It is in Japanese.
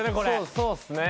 そうっすね。